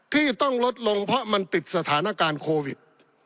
ที่ต้องลดลงเพราะมันติดสถานการณ์โควิด